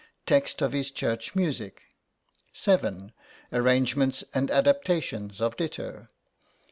Text of his church music. 7. Arrangements and adaptations of ditto.